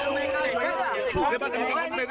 มันต้องต้องต้องเลย